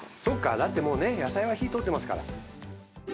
そうかだってもうね野菜は火通ってますから。